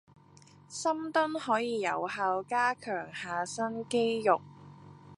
深蹲可以有效加強下身肌肉